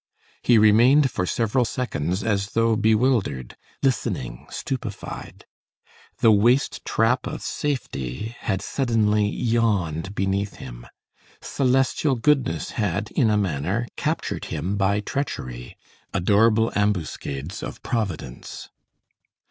He remained for several seconds as though bewildered; listening, stupefied. The waste trap of safety had suddenly yawned beneath him. Celestial goodness had, in a manner, captured him by treachery. Adorable ambuscades of providence!